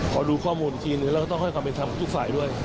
ขอดูข้อมูลอีกทีหนึ่งเราก็ต้องให้ความเป็นธรรมกับทุกฝ่ายด้วย